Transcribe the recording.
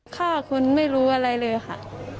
ฆ่าคนไม่รู้อะไรเลยค่ะ